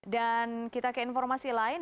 dan kita ke informasi lain